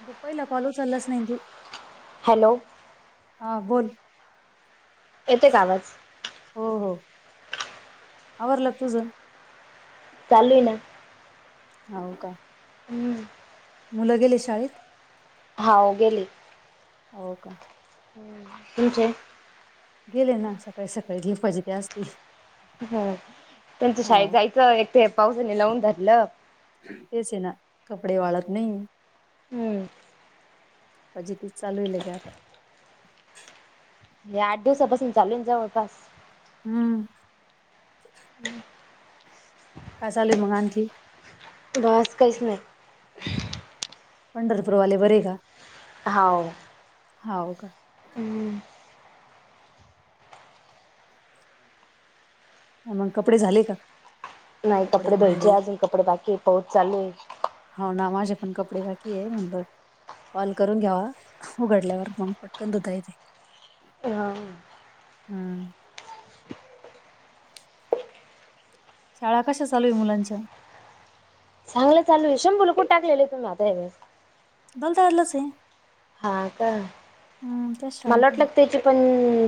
अगं पहिला कॉल उचललाच नाही तू हॅलो हा बोल. येते का आवाज. हो हो आवरडला तुझ. चालू ना. हो का. हम्म. मुलं गेले शाळेत. हा गेली. हो का. हम्म तुमचे. गेले ना सकाळी सकाळी गे पाहिजे त्याजते. ह त्यांचं शाळेत जायचं एक ते पावसाने लावून धरलं. तेच आहे ना कपडे वाळत नाही. हम्म. पाजे ते चालू आहे आता. हे आठ दिवसा बसून चालू जवळपास. हम्म. हम्. काचालेली मघ आण की. बस कस नाही. पंढरपूरवाले बरे आहे का. हाव. हाव का. हम्म. मग कपडे झाले का. नाही कपडे धुवायचे अजून कपडे बाकी आहेत पाउस चालू आहे. होना माझे पण कपडे बाकी आहे म्हणंत. कॉल करून घ्यावा उघडल्यावर मग पटकन धुता येथे. हा. हम्म शाळा कशा चालू आहे मुलांच्या. चांगलं चाल आहे शंभू कूठ टाकले तु् आता हे. मग झालच ये. हा का त्याच शाळेत मला आहे वाटलं त्याची पण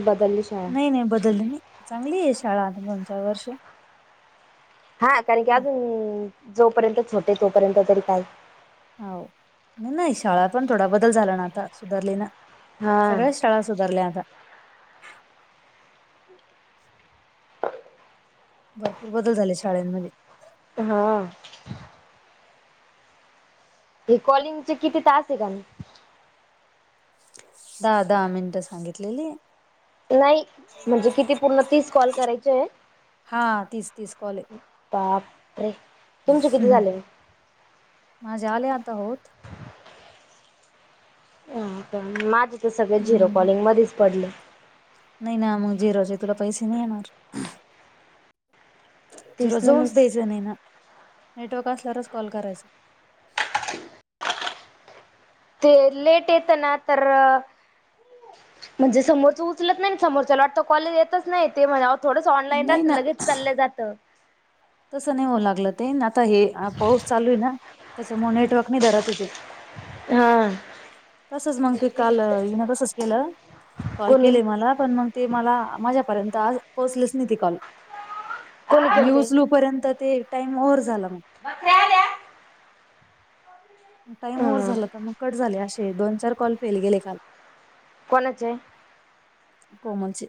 बदल. नाही नाही बदलली चांगली ये शाळा आजून दोन चार वर्ष. हा कारण की खूप आहे. अजून जोपर्यंत होते तोपर्यंत तरी काय. हो नही शाळा पण थोडा बदल झाला ना आता सुधारली ना हा. सगळंच. शाळा सुधारल्या आता. भरपूर बदल झाले शाळांमध्ये. हा. हे कॉलिंग चे किती तास हे जण. सहा दहा मिनटं सांगितलेले. नाही म्हणजे किती पूर्ण तीस कॉल करायचे ये. हा तीस. तीस कॉल आहे बापरे तुमचे किती हम्म. झाले.. माझे आले आता होत. माझे तर सगळे झिरो हम्म. कॉलिंग मध्येच पडले. नाही ना मग झीरोचे तुला पैसे नाही येणार. झिरो तेच ना जाऊ मग द्यायच नाही ना नेटवर्क असल्यावरच कॉल करायचा. ते लेट येतं ना तर म्हणजे समोरचं उचलत नाही समोरच्याला वाटतं कॉल येतच नाही ते मला थोडंस ऑनलाईन नाही राहत न ना लगेच चाललं जातं. तसं नाही होऊ लागलं ते न आता हे पाऊस चालू ये ना त्याच्यामुळे नेटवर्क नाही धरतंय ते. हां. तसच मग ते काल हिन तसच केलं, कॉल कोणी केले मला पण मग ते मला माझ्यापर्यंत आ पोहोचलेच नाही ते कॉल कोणी आणि मी केलते उचलू पर्यंत ते टाइम ओव्हर झाला मग. बकऱ्या आल्या. टाइम ओव्हर ह झाला होता मग कट झाले असे दोन चार कॉल फेल गेले काल. कोणाचे? कोमलचे.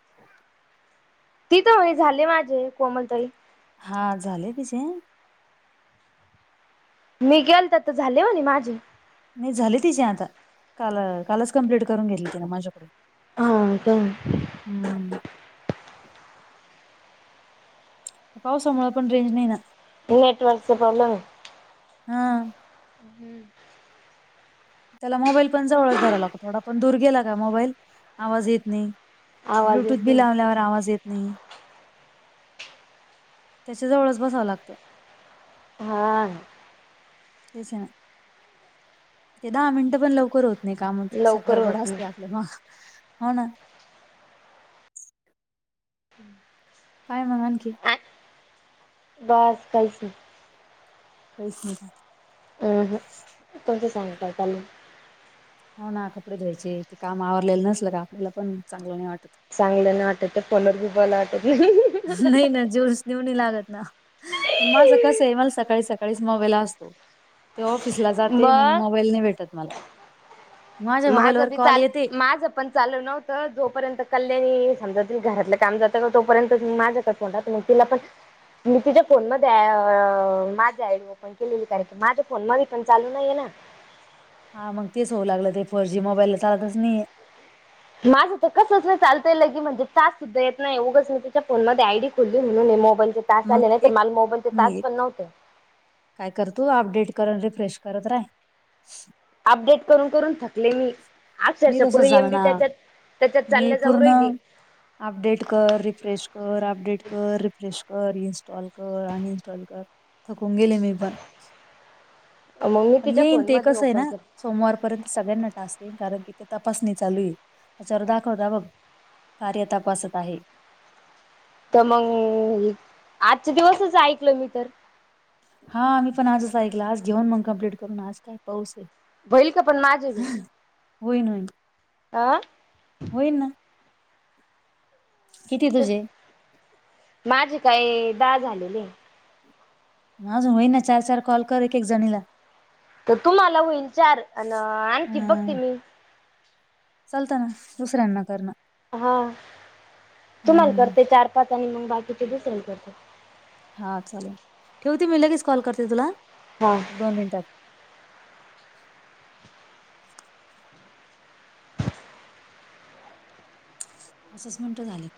ति तर म्हणे झाले माझे कोमल ताई. हां झाले तिचेे. मी किलता तर झाले म्हणे माझे. नाही झाले तिचे आता काल कालच कमप्लीट करून घेतले तिने माझ्याकडून. हा का. हम्म. पावसामुळ पण रेंज नाहीना. नेटवर्क चा प्रोब्लमय. हां. हम्म. त्याला मोबाईल पण जवळच धराव लागतो थोडा पण दूर गेला का मोबाईल आवाज येत नाही. आवाज ब्लूटूथ येत बी नाही लावल्यावर आवाज येत नाही त्याच्या जवळच बसाव लागत. हां. तेच ना ते दहा मिनट पण लवकर होत नाही कामाच असं लवकर गरबड होत नाही असतीया आपल्या माग हो न. काय मग आणखी? बास काहीच नाय. कायच नाय. अह तुमच सांगा काय चाललय? हो ना, कपडे धुवायचे ते काम आवरलेलं नसल का आपल्याला पण चांगलं नाही वाटत. चांगल नाही वाटत त्या फोन वर बी बोलाव वाटत नाही. नाही ना जोर जीव नाही लागत ना पण माझ कसय मला सकाळी सकाळी च मोबाईल असतो ते ऑफि फिस ला जाते मग मोबाईल नाही भेटत मला. माझ्या माझ मोबाईलवर बी कॉल चाल येते माझ पण चालू नव्हतं जोपर्यंत कल्याणी समजा तीन घरातलं काम जातं ना तोपर्यंतच माझ्या कड [unintelligible] मग तिला पण मी तिच्या फोन मध्ये माझं आ- डी ओपन केलेली कारण की माझ्या फोनमध्ये पण चालू नाहीये ना. हा मग तेच होऊ लागलं की फोर जी मोबाईलला चालतच नाही. माझं तर कसंच नाही चालतंय लय की म्हणजे टास्क सुद्धा येत नाही, उगच मी तिच्या फोन मध्ये आयडी खोलली म्हणून मी मोबाईल घेतला. तास मग आले नाही तर एक मला मोबाईल चे मग तास एक पण नव्हते. काय कर तू अपडेट करून रिफ्रेश करत राह. अपडेट करून-करून थकले मी. मी अक्षरशः पूर तसच एम झालं बी ना त्याच्यात, त्याच्यात मी चालल्या जाऊ पूर्ण राहिली. अपडेट कर, रिफ्रेश कर, अपडेट कर, रिफ्रेश कर, इंस्टॉल कर, अनइंस्टॉल कर. थकून गेले मी पण. मग मी पण तिच्या येईन ते फोनमध्ये कसं आहे ना ओपन केलं. सोमवारपर्यंत सगळ्यांना टास्क येईल कारण की तिथं तपासणी चालू आहे त्याच्यावर दाखवता बघ कार्य तपासत आहे. ‌ तर मग, आजचे दिवसच ऐकलं मी तर. हा मी पण आजच ऐकल आज जेऊन मग कम्प्लीट करून आज काय पाऊस आहे. होईल का पण माझे बी [inaudible] अं? होईलन. किती तुझे? माझे काय दहा झालेले? अजून होईना चार-चार कॉल कर एक-एक जणीला. तर तुम्हाला होईल चार अन आणखी बघते मी. चालत ना दुसऱ्यांना कर म. हा, तुम्हाला हम्म करते चार-पाच आणि मग बाकीचे दुसऱ्याला करते. हा चालेल, ठेवते मी लगेच कॉल करते तुला. हा. एक दोन मिनिटात. असंच मिनिट झाली.